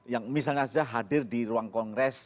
yang misalnya saja hadir di ruang kongres